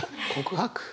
告白。